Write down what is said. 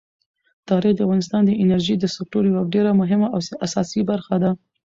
تاریخ د افغانستان د انرژۍ د سکتور یوه ډېره مهمه او اساسي برخه ده.